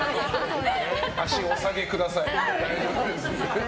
脚をお下げください。